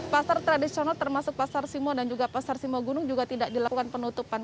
pasar tradisional termasuk pasar simo dan juga pasar simogunung juga tidak dilakukan penutupan